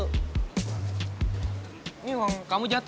ini uang kamu jatuh